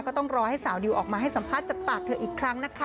ก็ต้องรอให้สาวดิวออกมาให้สัมภาษณ์จากปากเธออีกครั้งนะคะ